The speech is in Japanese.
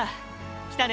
来たね